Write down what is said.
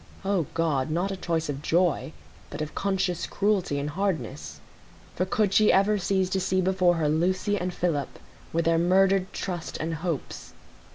O God! not a choice of joy, but of conscious cruelty and hardness; for could she ever cease to see before her Lucy and Philip, with their murdered trust and hopes?